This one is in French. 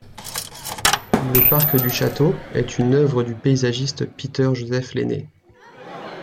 Le parc du château est une œuvre du paysagiste Peter Joseph Lenné.